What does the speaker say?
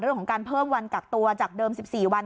เรื่องของการเพิ่มวันกักตัวจากเดิม๑๔วัน